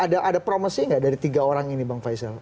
jadi ada promosi gak dari tiga orang ini bang faisal